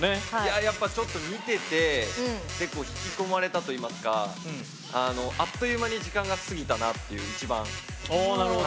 見てて、結構引き込まれたといいますかあっという間に時間が過ぎたなっていう、一番。